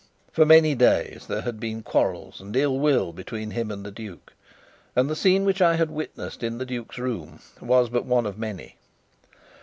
For many days there had been quarrels and ill will between him and the duke, and the scene which I had witnessed in the duke's room was but one of many.